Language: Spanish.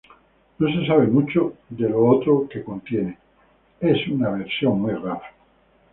No se sabe mucho de lo otro que contiene, es una versión muy rara.